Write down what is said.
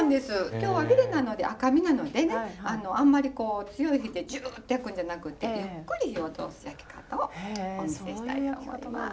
今日はヒレなので赤身なのでねあんまり強い火でジュッと焼くんじゃなくてゆっくり火を通す焼き方をお見せしたいと思います。